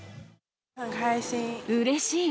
うれしい。